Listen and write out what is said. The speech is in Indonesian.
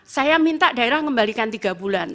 saya minta daerah mengembalikan tiga bulan